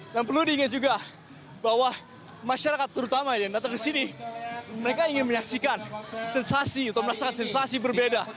dan perlu diingat juga bahwa masyarakat terutama yang datang ke sini mereka ingin menyaksikan sensasi atau merasakan sensasi berbeda